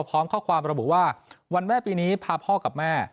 พร้อมข้อความระบุว่าวันแม่ปีนี้พาพ่อกับแม่